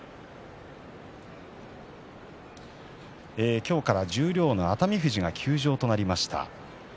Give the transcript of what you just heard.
今日から十両の熱海富士が休場となりました。